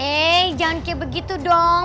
eh jangan kayak begitu dong